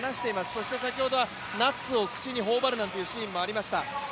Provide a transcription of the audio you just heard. そして先ほどはナッツを口に頬張るというシーンもありました。